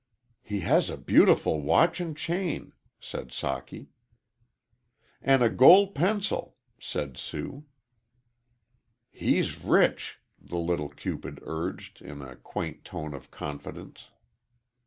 "He has a beautiful watch an' chain," said Socky. "An' a gol' pencil," said Sue. "He's rich," the little Cupid urged, in a quaint tone of confidence.